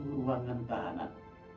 ada satu ruangan tahanan